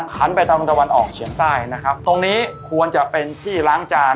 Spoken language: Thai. หันไปทางตะวันออกเฉียงใต้นะครับตรงนี้ควรจะเป็นที่ล้างจาน